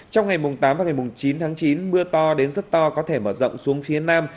trong ngày tám chín tháng chín mưa to đến rất to có thể mở rộng xuống phía nam